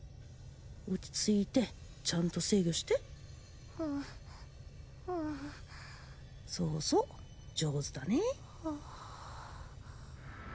落ち着いてちゃんと制御してうんうんそうそう上手だね